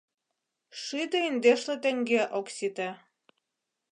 Шӱдӧ индешле теҥге ок сите...